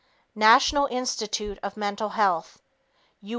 National Institute of Mental Health U.